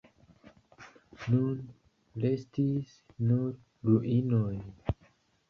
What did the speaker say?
Nun restis nur ruinoj.